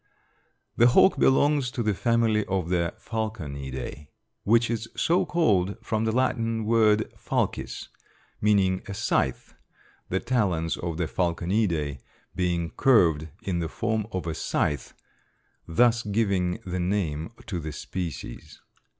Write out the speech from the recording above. The hawk belongs to the family of the Falconidæ, which is so called from the Latin word falcis, meaning a scythe, the talons of the Falconidæ being curved in the form of a scythe, thus giving the name to the species.